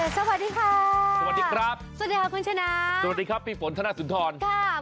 สวัสดีค่ะสวัสดีครับสวัสดีค่ะคุณชนะสวัสดีครับพี่ฝนธนสุนทรค่ะ